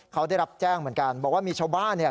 เขาได้รับแจ้งเหมือนกันบอกว่ามีชาวบ้านเนี่ย